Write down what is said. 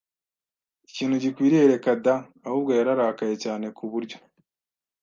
ikintu gikwiriye Reka da Ahubwo yararakaye cyane ku buryo